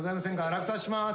落札します。